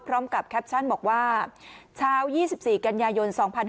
พร้อมกับแคปชั่นบอกว่าเชาห์ยี่สิบสี่กัญญายนสองพัน